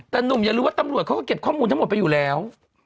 แต่หนุ่มอย่ารู้ว่าตำรวจเขาก็เก็บข้อมูลทั้งหมดไปอยู่แล้ว